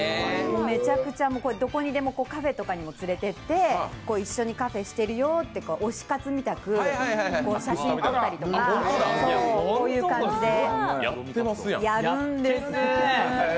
めちゃくちゃ、どこにでもカフェとかにも連れて行って一緒にカフェしてるよって推し活みたく写真を撮ったりとか、こういう感じでやるんです。